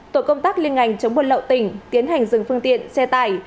tổ công tác liên ngành chống buôn lậu tỉnh tiến hành dừng phương tiện xe tải